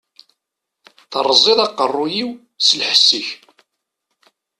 Teṛṛẓiḍ-d aqeṛṛu-yiw s lḥess-ik!